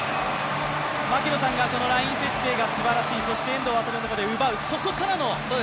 槙野さんがライン設定がすばらしい、遠藤航が奪う、そこからの？